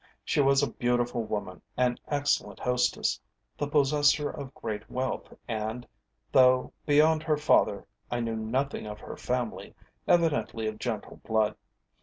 She was a beautiful woman, an excellent hostess, the possessor of great wealth, and though beyond her father I knew nothing of her family evidently of gentle blood.